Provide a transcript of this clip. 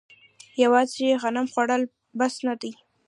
یوازې غنم خوړل بس نه دي.